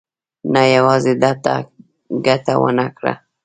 نه یوازې ده ته ګټه ونه کړه.